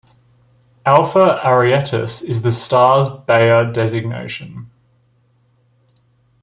"Alpha Arietis" is the star's Bayer designation.